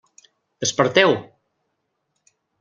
Desperteu!